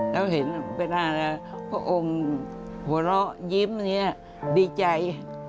แล้วเห็นเวลาพระองค์หัวเราะยิ้มอย่างนี้ดีใจ